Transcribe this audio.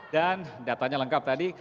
dan datanya lengkap tadi